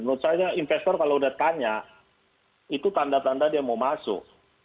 menurut saya investor kalau udah tanya itu tanda tanda dia mau masuk